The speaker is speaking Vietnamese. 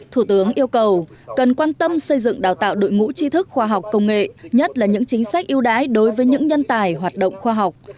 thủ tướng yêu cầu cần quan tâm xây dựng đào tạo đội ngũ chi thức khoa học công nghệ nhất là những chính sách yêu đái đối với những nhân tài hoạt động khoa học